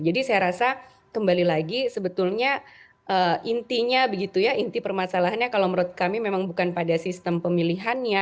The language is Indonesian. jadi saya rasa kembali lagi sebetulnya intinya begitu ya inti permasalahannya kalau menurut kami memang bukan pada sistem pemilihannya